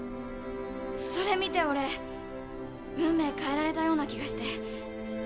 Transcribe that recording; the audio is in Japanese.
それ見て俺運命変えられたような気がして。